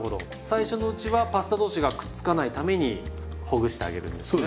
最初のうちはパスタ同士がくっつかないためにほぐしてあげるんですね。